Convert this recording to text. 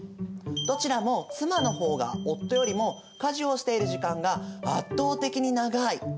どちらも妻の方が夫よりも家事をしている時間が圧倒的に長い！